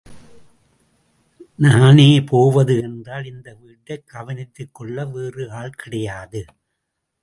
நானே போவது என்றால் இந்த வீட்டைக் கவனித்துக்கொள்ள வேறு ஆள் கிடையாது.